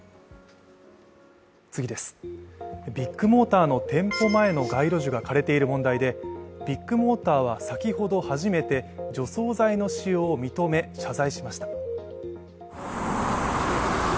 ビッグモーターの店舗前の街路樹が枯れている問題でビッグモーターは先ほど初めて除草剤の使用を認め、謝罪しました。